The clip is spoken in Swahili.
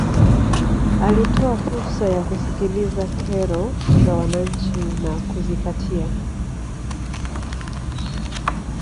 alitoa fursa ya kusikiliza kero za wananchi na kuzipatia